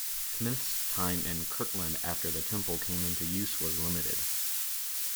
Smith's time in Kirtland after the temple came into use was limited.